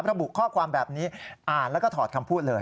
ระบุข้อความแบบนี้อ่านแล้วก็ถอดคำพูดเลย